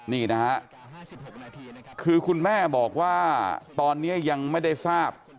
นี่นะฮะคือคุณแม่บอกว่าตอนนี้ยังไม่ได้ทราบ